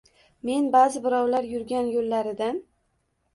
Men ba’zi birovlar yurgan yo‘llaridan